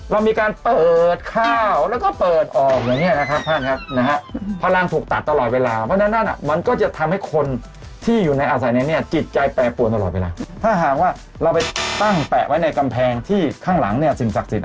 เรามีการเปิดเข้าแล้วก็เปิดออก